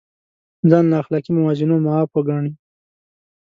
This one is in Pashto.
ځان له اخلاقي موازینو معاف وګڼي.